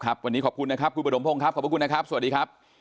วันนี้ขอบคุณนะครับคุณประดมพงศ์ครับขอบพระคุณนะครับสวัสดีครับ